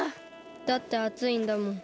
だってあついんだもん。